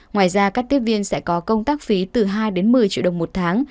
ngoài ra các tiếp viên sẽ có công tác phí từ hai đến một mươi triệu đồng một tháng